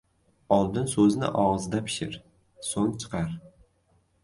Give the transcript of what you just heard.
• Oldin so‘zni og‘izda pishir, so‘ng chiqar.